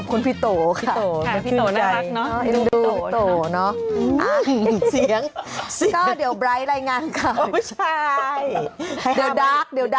ความคิดเดี่ยว